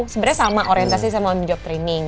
sebenernya sama orientasi sama on the job training